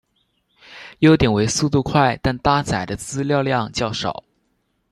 优点为速度快但搭载的资料量较少。